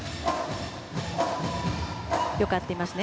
よく合っていますね。